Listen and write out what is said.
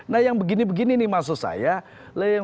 nah yang begini begini nih maksud saya